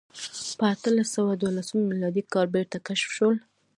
په اتلس سوه دولسم میلادي کال بېرته کشف شول.